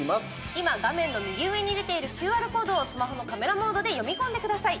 今、画面の右上に出ているＱＲコードをスマホのカメラモードで読み込んでください。